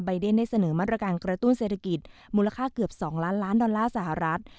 เดนได้เสนอมาตรการกระตุ้นเศรษฐกิจมูลค่าเกือบ๒ล้านล้านดอลลาร์สหรัฐ